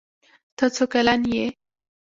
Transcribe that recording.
ته څو کلن یې؟